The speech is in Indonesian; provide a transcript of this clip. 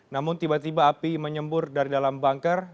namun tiba tiba api menyembur dari dalam bangker